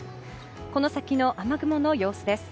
この先の雨雲の様子です。